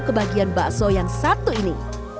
kebagian bakso yang satu ini